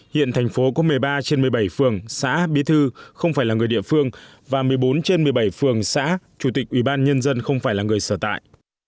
hiện thành phố có một mươi ba trên một mươi bảy phường xã bí thư không phải là người địa phương và một mươi bốn trên một mươi bảy phường xã chủ tịch ubnd không phải là người sở tại